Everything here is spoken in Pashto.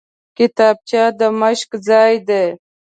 کتابچه د مشق ځای دی